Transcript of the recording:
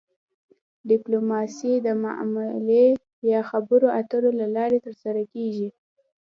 ډیپلوماسي د معاملې یا خبرو اترو له لارې ترسره کیږي